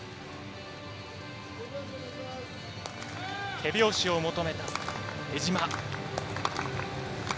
手拍子を求めた江島。